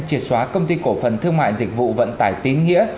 triệt xóa công ty cổ phần thương mại dịch vụ vận tải tín nghĩa